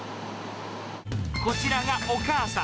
こちらがお母さん。